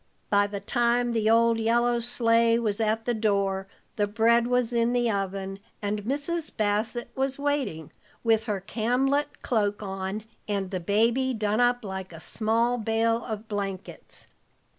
By the time the old yellow sleigh was at the door, the bread was in the oven, and Mrs. Bassett was waiting, with her camlet cloak on, and the baby done up like a small bale of blankets.